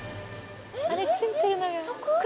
あれついてるのが。